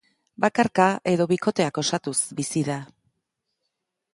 Bakarka edo bikoteak osatuz bizi da.